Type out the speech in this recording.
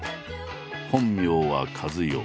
本名は和代。